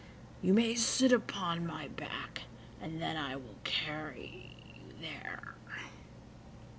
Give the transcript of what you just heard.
You may sit upon my back, and then I will carry you there."